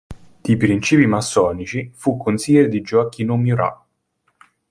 Di princìpi massonici, fu consigliere di Gioacchino Murat.